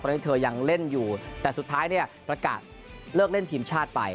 เพราะที่เธอยังเล่นอยู่แต่สุดท้ายเนี่ยประกาศเลิกเล่นทีมชาติไป